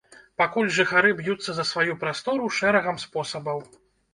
Пакуль жыхары б'юцца за сваю прастору шэрагам спосабаў.